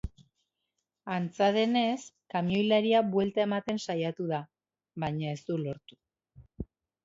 Antza denez, kamioilaria buelta ematen saiatu da, baina ez du lortu.